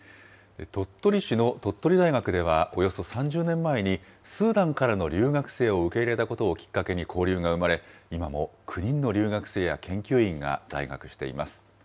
鳥取市の鳥取大学ではおよそ３０年前に、スーダンからの留学生を受け入れたことをきっかけに交流が生まれ、今も９人の留学生や研究員が在学しています。